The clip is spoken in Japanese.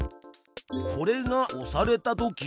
これが押されたとき。